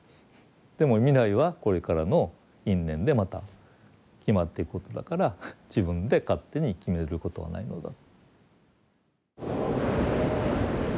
でも未来はこれからの因縁でまた決まっていくことだから自分で勝手に決めることはないのだ。